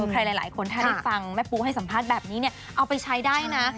ใครหลายคนถ้าได้ฟังแม่ปูให้สัมภาษณ์แบบนี้เนี่ยเอาไปใช้ได้นะ